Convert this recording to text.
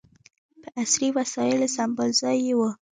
په عصري وسایلو سمبال ځای یې و.